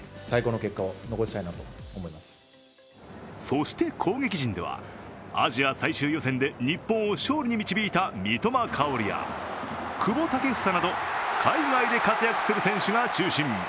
そして攻撃陣では、アジア最終予選で日本を勝利に導いた三笘薫や久保建英など海外で活躍する選手が中心。